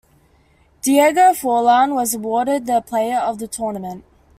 Diego Forlan was awarded the Player of The Tournament.